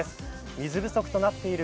水不足となっている